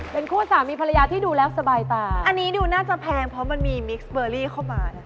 เป็นคู่สามีภรรยาที่ดูแล้วสบายตาอันนี้ดูน่าจะแพงเพราะมันมีมิกซ์เบอร์รี่เข้ามานะ